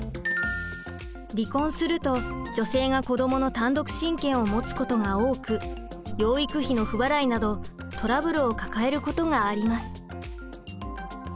離婚すると女性が子どもの単独親権を持つことが多く養育費の不払いなどトラブルを抱えることがあります。